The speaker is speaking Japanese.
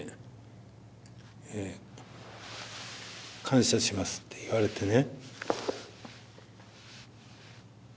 感謝しますって言われてね。